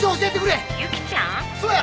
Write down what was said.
そうや。